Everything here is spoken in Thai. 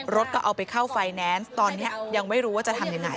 รถก็เอาไปเข้าไฟแนนซ์ตอนนี้ยังไม่รู้ว่าจะทำยังไง